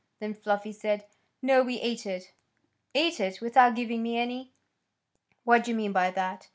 Then Fluffy said, "No; we ate it." "Ate it! Without giving me any? What d'you mean by that?